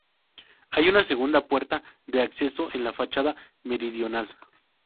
Hay una segunda puerta de acceso en la fachada meridional.